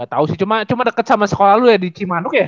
gak tau sih cuma deket sama sekolah lo ya di cimanuk ya